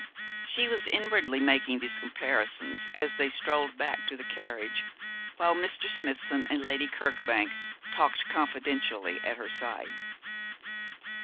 She was inwardly making these comparisons as they strolled back to the carriage, while Mr. Smithson and Lady Kirkbank talked confidentially at her side.